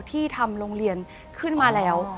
ที่ทำโรงเรียนขึ้นมาแล้ว